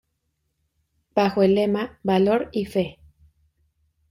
Bajo el lema: "Valor y Fe".